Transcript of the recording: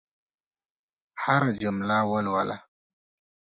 هره جمله ولوله.